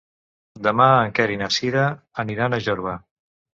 Demà en Quer i na Sira aniran a Jorba.